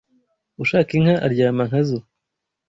Ushaka inka aryama nka zo